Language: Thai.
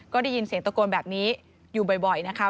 ก็ได้ยินเสียงตะโกนแบบนี้อยู่บ่อยนะคะ